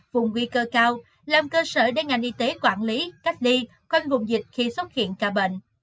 vùng nguy cơ cao làm cơ sở để ngành y tế quản lý cách ly quanh vùng dịch khi xuất hiện ca bệnh